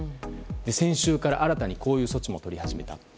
先週から新たにこういう措置も取り始めた。